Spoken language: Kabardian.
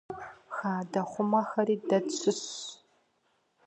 Хадэхъумэхэри дэ тщыщщ.